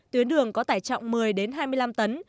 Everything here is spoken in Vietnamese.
tuyến đường có tải trọng một mươi hai mươi năm tấn